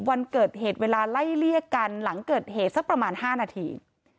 วันเกิดเหตุเวลาไล่เลี่ยกันหลังเกิดเหตุสักประมาณ๕นาที